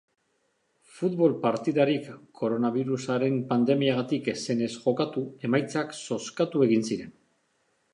Futbol partidarik koronabirusaren pandemiagatik ez zenez jokatu emaitzak zozkatu egin ziren.